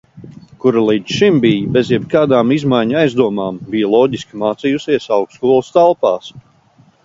Kura līdz šim bez jebkādām izmaiņu aizdomām bija loģiski mācījusies augstskolas telpās.